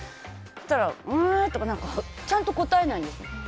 そしたら、うーんとかちゃんと答えないんです。